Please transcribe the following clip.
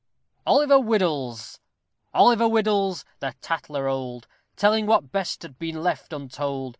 OLIVER WHIDDLES! Oliver whiddles the tattler old! Telling what best had been left untold.